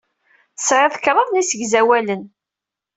Tesɛiḍ kraḍ n yisegzawalen.